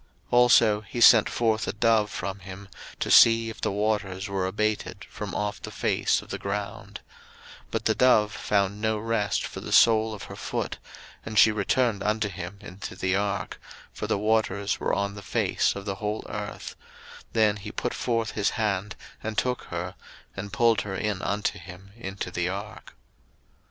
01:008:008 Also he sent forth a dove from him, to see if the waters were abated from off the face of the ground; 01:008:009 But the dove found no rest for the sole of her foot, and she returned unto him into the ark, for the waters were on the face of the whole earth: then he put forth his hand, and took her, and pulled her in unto him into the ark.